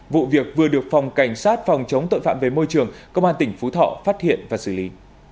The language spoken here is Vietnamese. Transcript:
vụ việc vừa được phòng cảnh sát phòng chống tội phạm về môi trường công an tỉnh phú thọ phát hiện và xử lý